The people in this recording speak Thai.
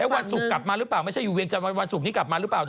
วันศูกร์กลับมาหรือเปล่ามันวันศุกร์กลับมาหรือเปล่าโต